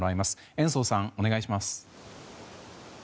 延増さん、お願いします。